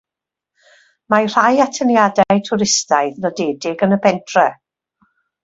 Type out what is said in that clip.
Mae rhai atyniadau twristaidd nodedig yn y pentref.